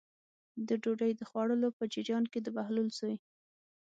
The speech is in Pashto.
د ډوډۍ د خوړلو په جریان کې د بهلول زوی.